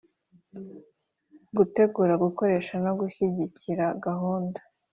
Gutegura gukoresha no gushyigikira gahunda